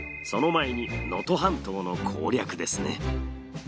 その前に能登半島の攻略ですね。